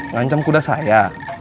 ngancam kuda saya